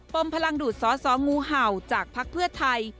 ปมพลังดูดซ้องูเห่าจากพักเพื่อไทย